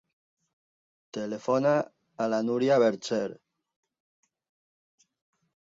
Telefona a la Núria Vercher.